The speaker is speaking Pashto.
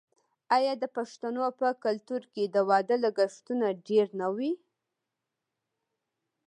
آیا د پښتنو په کلتور کې د واده لګښتونه ډیر نه وي؟